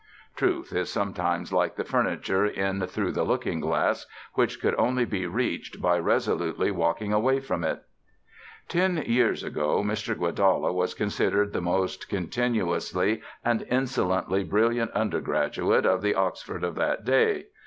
(Truth is sometimes like the furniture in Through the Looking Glass, which could only be reached by resolutely walking away from it.) Ten years ago Mr. Guedalla was considered the most continuously and insolently brilliant undergraduate of the Oxford of that day.